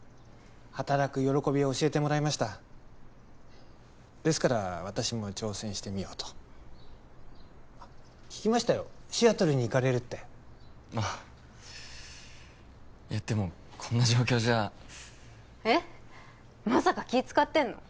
働く喜びを教えてもらいましたですから私も挑戦してみようとあっ聞きましたよシアトルに行かれるってあっいやでもこんな状況じゃえっまさか気使ってんの？